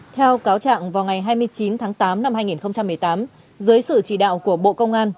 theo cáo trạng vào ngày hai mươi chín tháng tám năm hai nghìn một mươi tám dưới sự chỉ đạo của bộ công an